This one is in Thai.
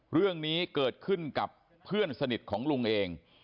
เรื่องนี้เกิดขึ้นกับเพื่อนสนิทของลุงเอง